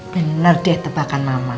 bener deh tebakan mama